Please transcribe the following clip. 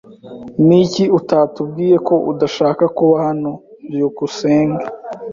Niki utatubwiye ko udashaka kuba hano? byukusenge